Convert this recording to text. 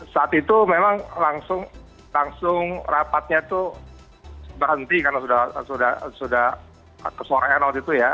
saat itu memang langsung rapatnya itu berhenti karena sudah kesorean waktu itu ya